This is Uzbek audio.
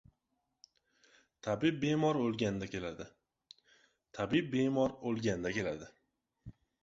• Tabib bemor o‘lganda keladi.